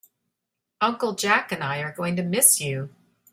Uncle Jack and I are going to miss you.